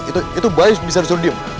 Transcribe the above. itu itu bayi bisa disuruh diam